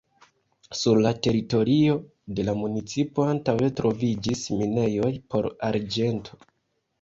Sur la teritorio de la municipo antaŭe troviĝis minejoj por arĝento.